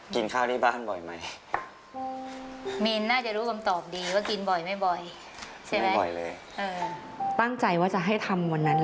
กินข้าวที่บ้านบ่อยไหม